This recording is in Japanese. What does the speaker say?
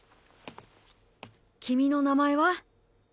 君の名前は？